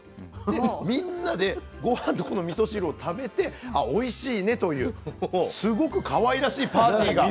でみんなで御飯とこのみそ汁を食べてあおいしいねというすごくかわいらしいパーティーが。